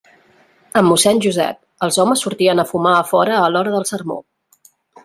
Amb mossèn Josep, els homes sortien a fumar a fora a l'hora del sermó.